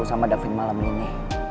sama david malam ini